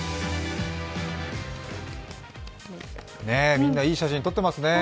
みんないい写真撮ってますね。